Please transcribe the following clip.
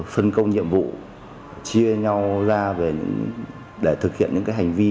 phân công nhiệm vụ chia nhau ra để thực hiện những hành vi